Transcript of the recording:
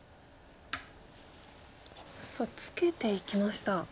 さあツケていきました。